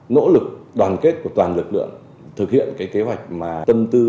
nỗ lực đoàn kết của toàn lực lượng thực hiện kế hoạch tâm tư